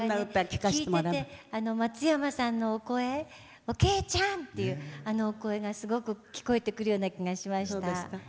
聴いてて松山さんのけいちゃん！っていうあのお声がすごく聞こえてくるような気がしました。